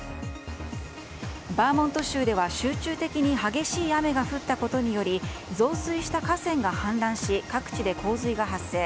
バーモント州では集中的に激しい雨が降ったことにより増水した河川が氾濫し各地で洪水が発生。